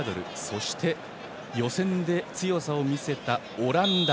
そして、予選で強さを見せたオランダ。